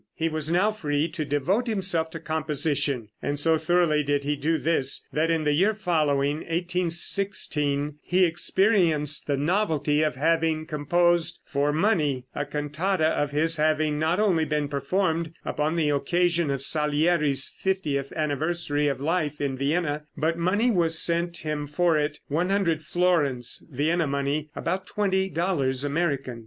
He was now free to devote himself to composition, and so thoroughly did he do this that in the year following, 1816, he experienced the novelty of having composed for money, a cantata of his having not only been performed upon the occasion of Salieri's fiftieth anniversary of life in Vienna, but money was sent him for it, 100 florins, Vienna money, about $20 American.